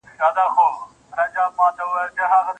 مزمن او ناعلاجه رنځ یوازنی طبیب دی